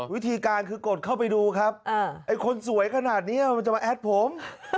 วิธีการคือกดเข้าไปดูครับไอ้คนสวยขนาดนี้มันจะมาแอดผม